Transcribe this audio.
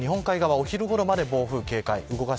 日本海側お昼ごろまで、暴風警戒。